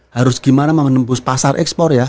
harus gimana menembus pasar ekspor ya